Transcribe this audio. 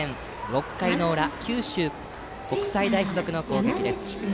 ６回裏、九州国際大付属の攻撃です。